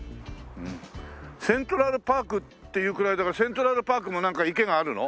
セントラルパークって言うくらいだからセントラルパークもなんか池があるの？